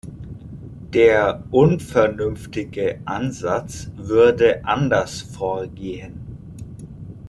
Der unvernünftige Ansatz würde anders vorgehen.